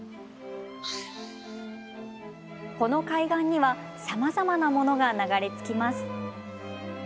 この海岸にはさまざまものが流れ着きます。